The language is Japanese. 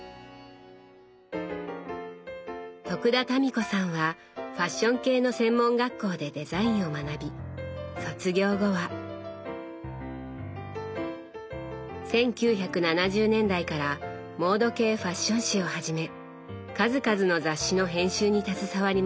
田民子さんはファッション系の専門学校でデザインを学び卒業後は１９７０年代からモード系ファッション誌をはじめ数々の雑誌の編集に携わりました。